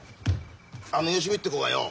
あの芳美って子がよ